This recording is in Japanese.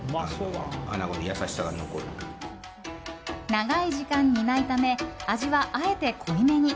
長い時間煮ないため味はあえて濃いめに。